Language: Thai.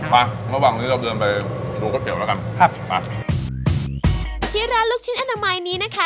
มาระหว่างนี้เราเดินไปดูก๋วยเตี๋ยวแล้วกันครับมาที่ร้านลูกชิ้นอนามัยนี้นะคะ